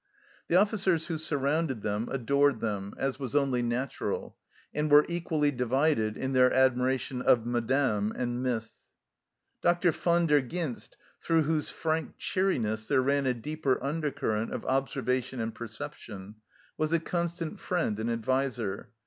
The officers who surrounded them adored them, as was only natural, and were equally divided in their admiration of " Madame " and " Miss." Dr. Van der Ghinst, through whose frank cheeriness there ran a deeper undercurrent of observation and perception, was a constant friend and adviser.